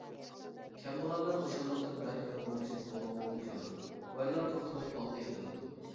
كەمبەغەللەر خۇشاللىقتىن بەھرىمەن بولۇشنى قوغلىشىدۇ، بايلار توختىماي ئالغا ئىنتىلىدۇ.